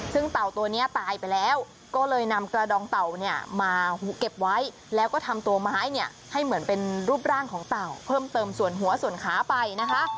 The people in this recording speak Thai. ซึ่งเต่าตัวนี้ตายไปแล้วก็เลยนำกระดองเต่าเนี่ยมาเก็บไว้แล้วก็ทำตัวไม้เนี่ยให้เหมือนเป็นรูปร่างของเต่าเพิ่มเติมส่วนหัวส่วนขาไปนะคะ